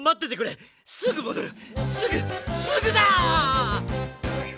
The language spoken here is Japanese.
すぐすぐだ！